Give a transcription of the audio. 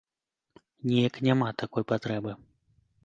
Неяк няма такой патрэбы.